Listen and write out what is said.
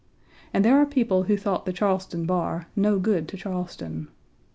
And there are people who thought the Charleston bar "no good" to Charleston.